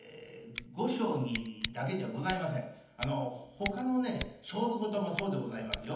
ほかのね勝負事もそうでございますよ。